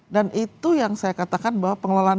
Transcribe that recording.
dan itu yang saya katakan bahwa